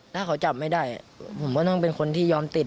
ถ้าเขาจับไม่ได้ผมว่าน่าเป็นคนที่ย้อนติด